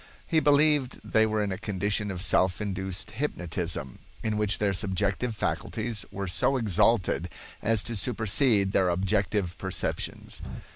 He believed they were in a condition of self induced hypnotism, in which their subjective faculties were so exalted as to supersede their objective perceptions.